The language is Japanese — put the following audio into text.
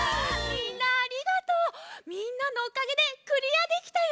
みんなのおかげでクリアできたよ！